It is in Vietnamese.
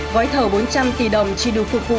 gói thầu bốn trăm linh tỷ đồng chỉ đủ phục vụ